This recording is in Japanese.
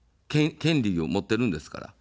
権利を持っているんですから。